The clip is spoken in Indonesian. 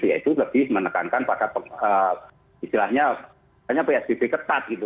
yaitu lebih menekankan pada istilahnya psbb ketat gitu